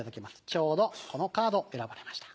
ちょうどこのカード選ばれました。